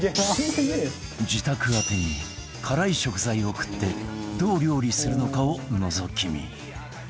自宅宛てに辛い食材を送ってどう料理するのかをのぞき見